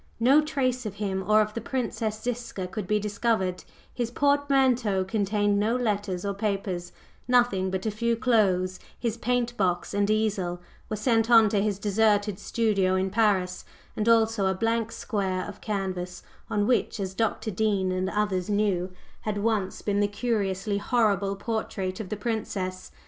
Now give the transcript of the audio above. No trace of him or of the Princess Ziska could be discovered; his portmanteau contained no letters or papers, nothing but a few clothes; his paint box and easel were sent on to his deserted studio in Paris, and also a blank square of canvas, on which, as Dr. Dean and others knew, had once been the curiously horrible portrait of the Princess.